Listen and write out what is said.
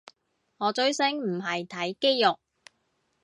我追星唔係睇肌肉